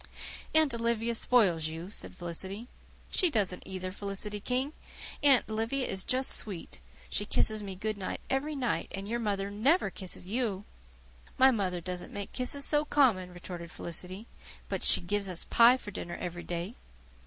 "Aunt Olivia spoils you," said Felicity. "She doesn't either, Felicity King! Aunt Olivia is just sweet. She kisses me good night every night, and your mother NEVER kisses you." "My mother doesn't make kisses so common," retorted Felicity. "But she gives us pie for dinner every day."